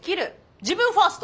自分ファースト。